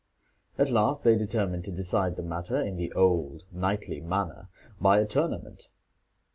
At last they determined to decide the matter in the old knightly manner, by a tournament.